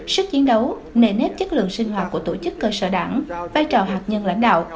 sức chiến đấu nề nếp chất lượng sinh hoạt của tổ chức cơ sở đảng vai trò hạt nhân lãnh đạo